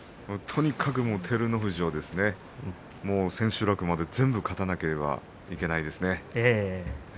とにかく照ノ富士千秋楽まで全部勝たなければいけないですね。